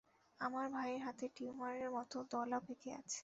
আমার ভাইয়ার হাতে টিউমারের মত দলা পেকে আছে।